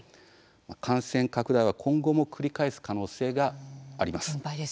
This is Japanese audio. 感染拡大は今後も繰り返す可能性があります。